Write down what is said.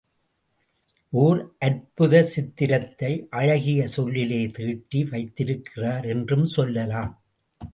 ஓர் அற்புத சித்திரத்தை அழகிய சொல்லிலே தீட்டி வைத்திருக்கிறார் என்றும் சொல்லலாம்.